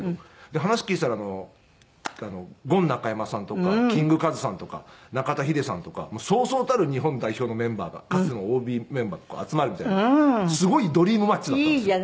で話聞いてたらゴン中山さんとかキングカズさんとか中田ヒデさんとかそうそうたる日本代表のメンバーがかつてのＯＢメンバーが集まるみたいなすごいドリームマッチだったんですよ。